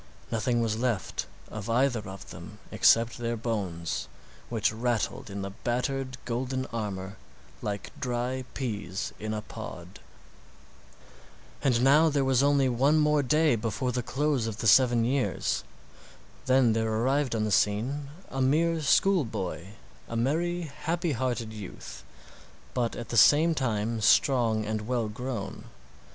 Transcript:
Nothing was left of either of them except their bones, which rattled in the battered, golden armor like dry peas in a pod. And now there was only one more day before the close of the seven years. Then there arrived on the scene a mere school boy—a merry, happy hearted youth, but at the same time strong and well grown.